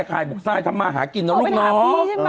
ขายบุกทรายทำมาหากินนะลูกน้อง